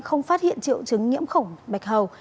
không phát hiện triệu chứng nhiễm khổng bạch hầu